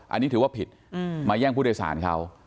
อันนี้ถือว่าผิดมาแย่งผู้โดยสารเขา